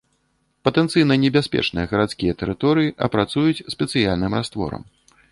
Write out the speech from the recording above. Патэнцыйна небяспечныя гарадскія тэрыторыі апрацуюць спецыяльным растворам.